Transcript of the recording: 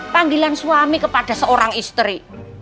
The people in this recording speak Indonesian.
panggilan suami kepada seorang istri